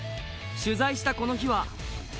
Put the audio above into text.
取材したこの日は。